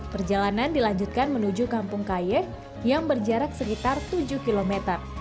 perjalanan dilanjutkan menuju kampung kaye yang berjarak sekitar tujuh km